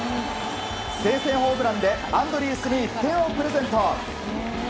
先制ホームランでアンドリースに１点をプレゼント。